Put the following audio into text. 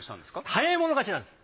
早い者勝ちなんです。